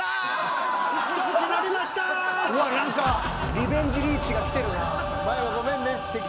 リベンジリーチがきてるな。